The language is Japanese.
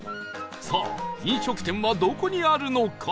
さあ飲食店はどこにあるのか？